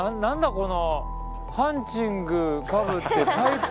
この。